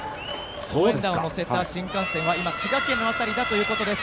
応援団を乗せた新幹線は今、滋賀県の辺りだということです。